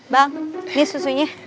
bang ini susunya